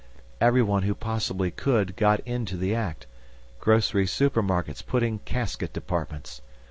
Everyone who possibly could got into the act. Grocery supermarkets put in casket departments.